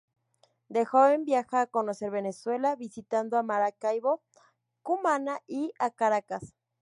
De joven viaja a conocer Venezuela, visitando a Maracaibo, Cumaná y a Caracas.